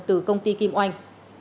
từ công ty kim oanh